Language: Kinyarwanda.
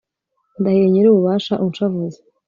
ndahiye nyirububasha unshavuza